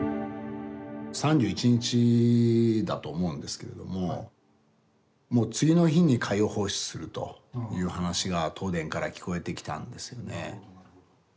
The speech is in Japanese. ３１日だと思うんですけれどももう次の日に海洋放出するという話が東電から聞こえてきたんですよね。